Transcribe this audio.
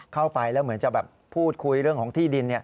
เข้าไปแล้วเหมือนจะแบบพูดคุยเรื่องของที่ดิน